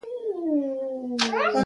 ژبه د انساني تمدن یوه نښه ده